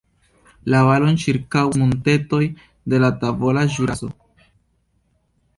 La valon ĉirkaŭas montetoj de la Tavola Ĵuraso.